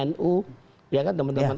nu ya kan teman teman